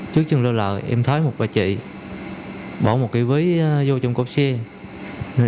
trước đường lơ lợ em thói một bà chị bỏ một kỷ ví vô trong cột xe